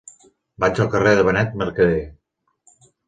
Vaig al carrer de Benet Mercadé.